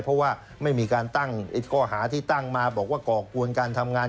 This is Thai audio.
เพราะว่าไม่มีการตั้งข้อหาที่ตั้งมาบอกว่าก่อกวนการทำงาน